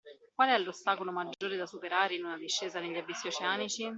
Qual è l’ostacolo maggiore da superare in una discesa negli abissi oceanici?